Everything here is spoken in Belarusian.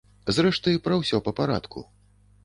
Зрэшты, пра ўсё па парадку.